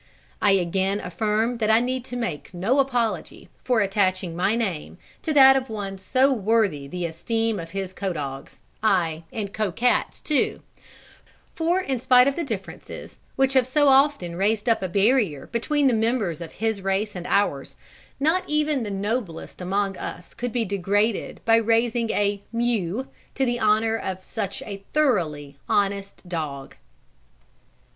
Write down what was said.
I again affirm that I need make no apology for attaching my name to that of one so worthy the esteem of his co dogs, ay, and co cats too; for in spite of the differences which have so often raised up a barrier between the members of his race and ours, not even the noblest among us could be degraded by raising a "mew" to the honour of such a thoroughly honest dog.